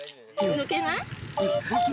抜けない。